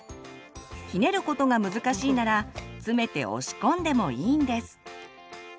ひねることが難しいなら詰めて押し込んでもいいんです。